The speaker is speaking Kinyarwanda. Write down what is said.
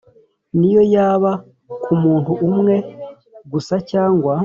niyo yaba kumuntu umwe gusa cyangwa